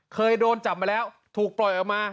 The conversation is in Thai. เคยโดนจับมาแล้วถูกปล่อยออกมา